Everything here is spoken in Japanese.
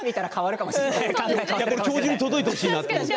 教授に届いてほしいなと思って。